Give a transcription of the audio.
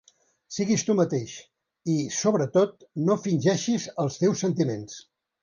Siguis tu mateix, i sobretot, no fingeixis els teus sentiments.